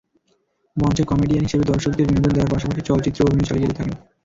মঞ্চে কমেডিয়ান হিসেবে দর্শকদের বিনোদন দেয়ার পাশাপাশি চলচ্চিত্রেও অভিনয় চালিয়ে যেতে থাকেন।